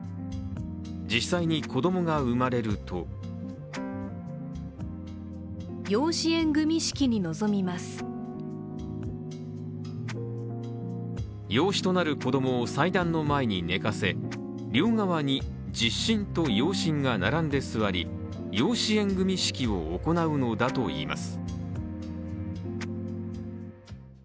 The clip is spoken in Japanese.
実際に子供が産まれると養子となる子供を祭壇の前に寝かせ両側に実親と養親が並んで座り養子縁組式を行うのだと言います。